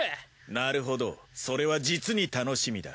なるほどそれは実に楽しみだ。